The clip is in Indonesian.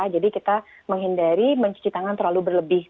jadi kita menghindari mencuci tangan terlalu berlebih